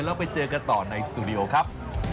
แล้วไปเจอกันต่อในสตูดิโอครับ